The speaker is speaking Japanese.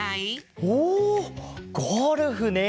おっゴルフね。